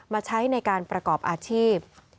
มาใช้ในการประกอบอาชีพ